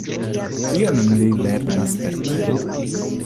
Kion ni lernas per tio?